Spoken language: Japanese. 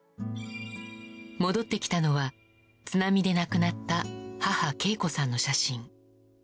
戻ってきたのは津波で亡くなった母・けい子さんの写真。